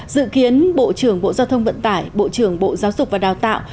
dự kiến bộ trưởng bộ giao thông vận tải bộ trưởng bộ giáo dục và đào tạo